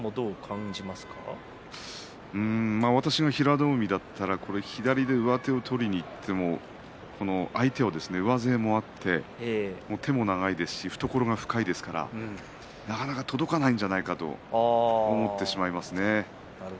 私が平戸海がだったら左で上手を取りにいって相手は上背もあって手も長いですから懐が深いのでなかなか届かないんじゃないかと思ってしまいますね。